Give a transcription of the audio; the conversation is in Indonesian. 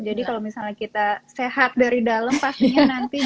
jadi kalau misalnya kita sehat dari dalam pastinya nanti